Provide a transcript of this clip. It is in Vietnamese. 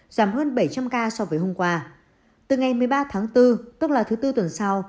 giảm hơn bảy trăm linh ca so với hôm qua từ ngày một mươi ba tháng bốn tức là thứ bốn tuần sau